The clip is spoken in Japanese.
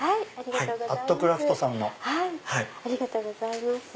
ありがとうございます。